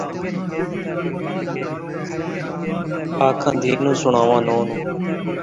اکھ چکی نئیں، تنبالو گم